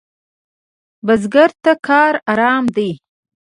بزګر ته کار آرام دی